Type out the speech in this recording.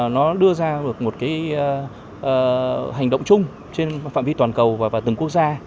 nó đưa ra được một hành động chung trên phạm vi toàn cầu và từng quốc gia